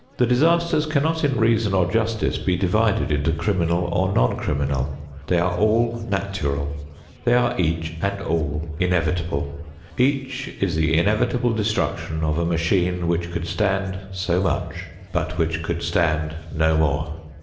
The disasters cannot in reason or justice be divided into criminal or non criminal. They are all natural; they are each and all inevitable. Each is the inevitable destruction of a machine which could stand so much, but which could stand no more.